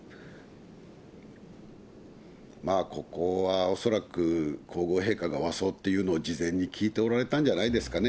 ここは恐らく、皇后陛下が和装っていうのを事前に聞いておられたんじゃないですかね。